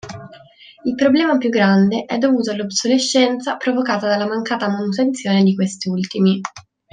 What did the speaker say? Il problema più grande è dovuto all'obsolescenza provocata dalla mancata manutenzione di quest'ultimi.